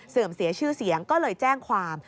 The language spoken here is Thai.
เสียชื่อเสียงก็เลยแจ้งความ